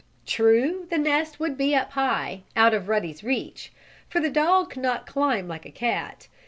True the nest would be high up, out of Ruddy's reach, for the dog could not climb like a cat.